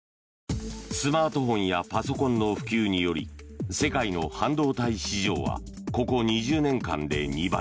スマートフォンやパソコンの普及により世界の半導体市場はここ２０年間で２倍。